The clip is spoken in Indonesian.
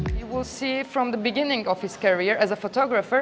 dari awal karirnya sebagai fotografer